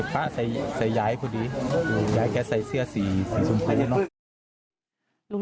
พ่อใส่ใส่ยายคุณดียายแกใส่เสื้อสีสีสุงครองด้วยนะ